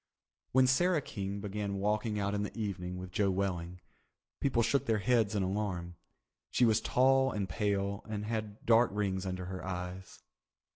When Sarah King began walking out in the evening with Joe Welling, people shook their heads in alarm. She was tall and pale and had dark rings under her eyes.